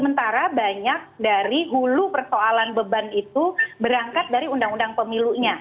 sementara banyak dari hulu persoalan beban itu berangkat dari undang undang pemilunya